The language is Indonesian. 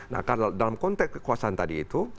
nah karena dalam konteks kekuasaan tadi itu